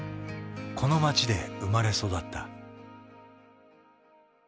この街で生まれ育った。